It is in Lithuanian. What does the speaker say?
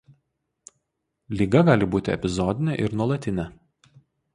Liga gali būti epizodinė ir nuolatinė.